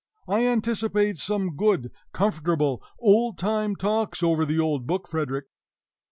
I anticipate some good, comfortable, old time talks over the old book, Frederick!"